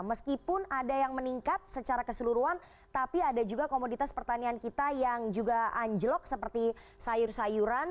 meskipun ada yang meningkat secara keseluruhan tapi ada juga komoditas pertanian kita yang juga anjlok seperti sayur sayuran